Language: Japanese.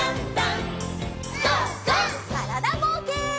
からだぼうけん。